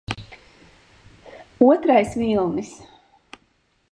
Otrais vilnis